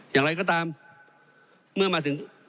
อย่างไรก็ตามเมื่อมาถึง